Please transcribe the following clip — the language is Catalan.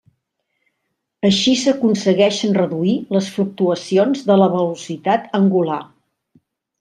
Així s'aconsegueixen reduir les fluctuacions de la velocitat angular.